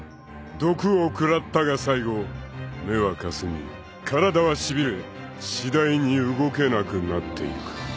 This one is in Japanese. ［毒をくらったが最後目はかすみ体はしびれ次第に動けなくなっていく］